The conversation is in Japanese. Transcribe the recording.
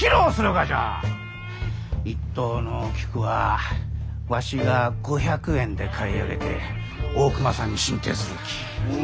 一等の菊はわしが５００円で買い上げて大隈さんに進呈するき。